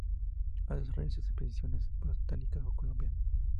Ha desarrollado expediciones botánicas a Colombia.